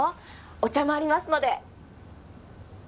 お茶もありますので。